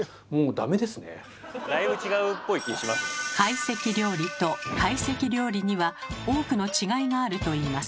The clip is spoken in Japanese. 懐石料理と会席料理には多くの違いがあるといいます。